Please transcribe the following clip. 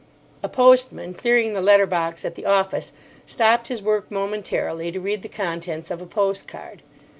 A postman, clearing the letter box at the office, stopped his work momentarily to read the contents of a postcard.